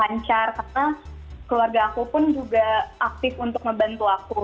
lancar karena keluarga aku pun juga aktif untuk membantu aku